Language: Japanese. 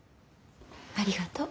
ありがとう。